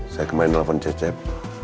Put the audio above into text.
saya kemarin nelfon cecep